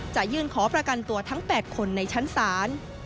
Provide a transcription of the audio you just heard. จะยื่นขอประกันตัวทั้ง๘คนในชั้นศาล